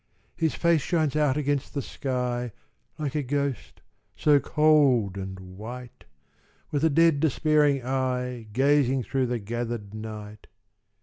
"His face shines out against the sky, Like a ghost, so cold and white; With a dead despairing eye Gazing through the gathered night.